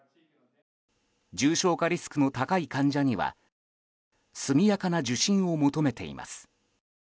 重症化リスクの高い患者には速やかな受診を求めています。